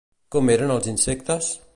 Com eren els insectes?